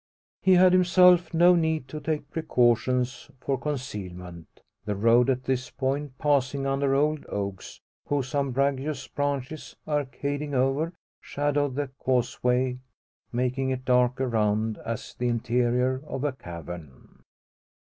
He had himself no need to take precautions for concealment; the road at this point passing under old oaks, whose umbrageous branches; arcading over, shadowed the causeway, making it dark around as the interior of a cavern.